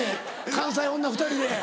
関西女２人で。